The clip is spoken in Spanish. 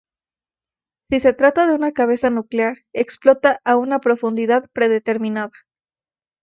Si se trata de una cabeza nuclear, explota a una profundidad predeterminada.